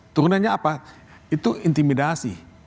turunannya apa itu intimidasi